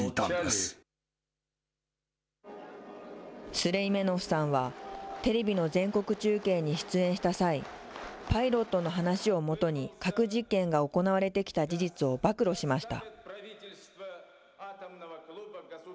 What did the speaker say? スレイメノフさんは、テレビの全国中継に出演した際、パイロットの話をもとに核実験が行われてきた事実を暴露しました。